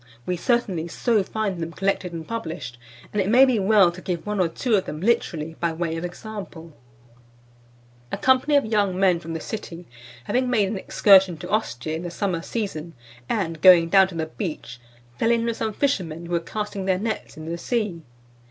We certainly so find them collected and published, and it may be well to give one or two of them literally, by way of example: "A company of young men from the city, having made an excursion to Ostia in the summer season, and going down to the beach, fell in with some fishermen who were casting their nets in the sea.